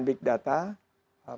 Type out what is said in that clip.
pendekatan kita akan menggunakan